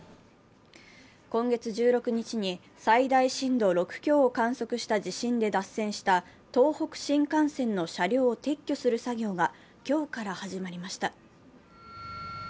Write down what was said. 今月１６日に最大震度６強を観測した地震で脱線した東北新幹線の車両を撤去する作業が今日から始まりました。